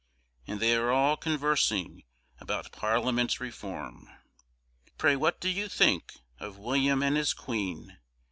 And they are all conversing about Parliament Reform. Pray what do you think of William and his Queen?